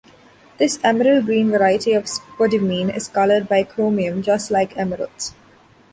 This emerald green variety of spodumene is colored by chromium, just like emeralds.